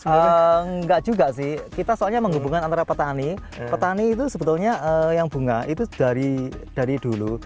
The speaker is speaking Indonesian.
enggak juga sih kita soalnya menghubungkan antara petani petani itu sebetulnya yang bunga itu dari dulu